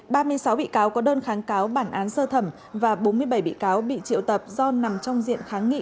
ba mươi sáu bị cáo có đơn kháng cáo bản án sơ thẩm và bốn mươi bảy bị cáo bị triệu tập do nằm trong diện kháng nghị